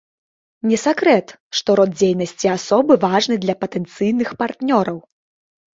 Не сакрэт, што род дзейнасці асобы важны для патэнцыйных партнёраў.